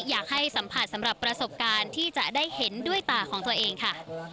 อยากให้สัมผัสสำหรับประสบการณ์ที่จะได้เห็นด้วยตาของตัวเองค่ะ